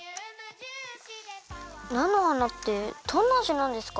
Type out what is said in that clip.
なのはなってどんなあじなんですか？